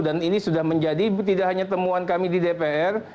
dan ini sudah menjadi tidak hanya temuan kami di dpr